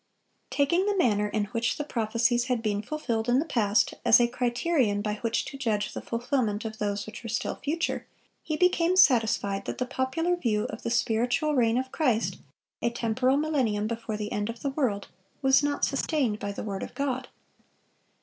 Taking the manner in which the prophecies had been fulfilled in the past, as a criterion by which to judge of the fulfilment of those which were still future, he became satisfied that the popular view of the spiritual reign of Christ—a temporal millennium before the end of the world—was not sustained by the word of God.